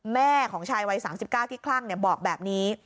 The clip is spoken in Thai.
แม่ของชายวัย๓๙ที่คลั่งบอกแบบนี้